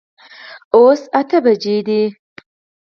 اوس اته بجي دي